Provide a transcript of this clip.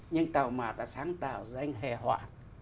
nhưng tào mạt đã sáng tạo ra anh hè họa